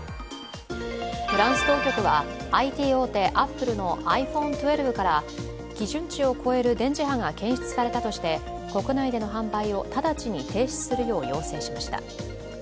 フランス当局はＩＴ大手アップルのｉＰｈｏｎｅ１２から基準値を超える電磁波が検出されたとして国内での販売を直ちに停止するよう要請しました。